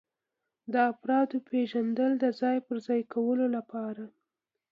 د افرادو پیژندل د ځای پر ځای کولو لپاره.